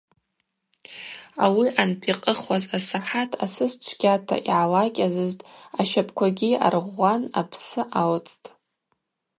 Ауи анпикъыхуаз асахӏат асыс чвгьата йгӏалакӏьазызтӏ, ащапӏквагьи аргъвгъван апсы алцӏтӏ.